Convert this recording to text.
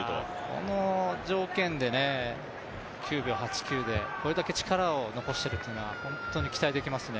この条件でね、９秒８９でこれだけ力を残しているというのが本当に期待できますね。